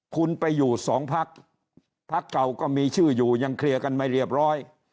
คุณไปอยู่สองพักพักเก่าก็มีชื่ออยู่ยังเคลียร์กันไม่เรียบร้อย